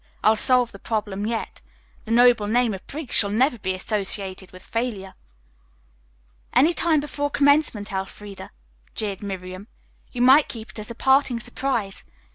I'll solve the problem yet. The noble name of Briggs shall never be associated with failure." "Any time before commencement, Elfreda," jeered Miriam. "You might keep it as a parting surprise.